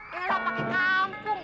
ya pakai kampung